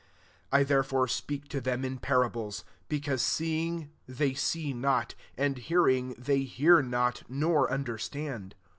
IS I therefore speak to them in parables, because seeing, they see BOt ; and hearing, they hear not, nor understand.